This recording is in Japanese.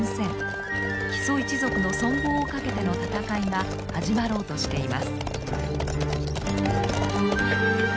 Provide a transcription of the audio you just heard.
木曽一族の存亡をかけての戦いが始まろうとしています。